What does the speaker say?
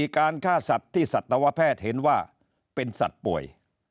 การฆ่าสัตว์ที่สัตวแพทย์เห็นว่าเป็นสัตว์ป่วย